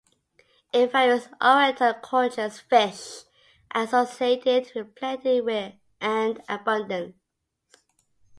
In various Oriental cultures fish are associated with plenty and abundance.